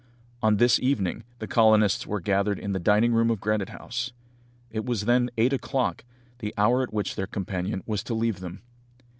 On this evening the colonists were gathered in the dining room of Granite House. It was then eight o'clock, the hour at which their companion was to leave them.